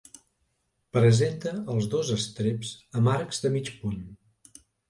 Presenta els dos estreps amb arcs de mig punt.